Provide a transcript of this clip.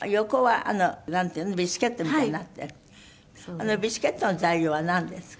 あのビスケットの材料はなんですか？